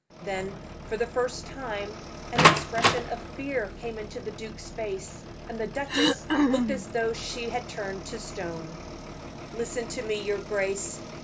Then, for the first time, an expression of fear came into the duke's face, and the duchess looked as though she were turned to stone. "Listen to me, your grace.